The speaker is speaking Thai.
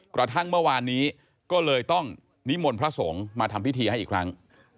กระทั่งเมื่อวานนี้ก็เลยต้องนิมนต์พระสงฆ์มาทำพิธีให้อีกครั้ง